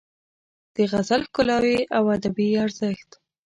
د غزل ښکلاوې او ادبي ارزښت